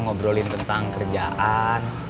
ngobrolin apa di pinggir jalan